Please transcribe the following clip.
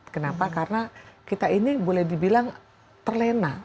kenapa karena kita ini boleh dibilang terlena